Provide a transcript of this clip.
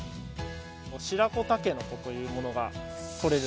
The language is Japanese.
白子タケノコというものが採れるんです。